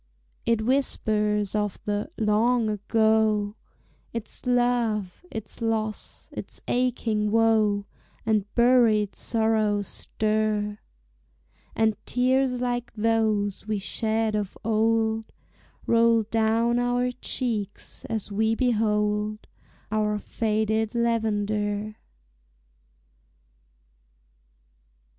It whispers of the "long ago;" Its love, its loss, its aching woe, And buried sorrows stir; And tears like those we shed of old Roll down our cheeks as we behold Our faded lavender.